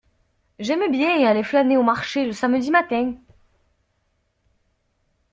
J’aime bien aller flâner au marché le samedi matin.